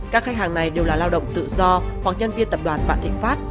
các khách hàng này đều là lao động tự do hoặc nhân viên tập đoàn vạn thịnh pháp